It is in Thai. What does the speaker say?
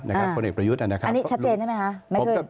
อันนี้ชัดเจนได้ไหมครับ